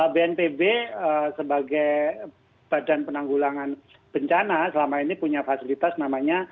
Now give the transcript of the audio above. bnpb sebagai badan penanggulangan bencana selama ini punya fasilitas namanya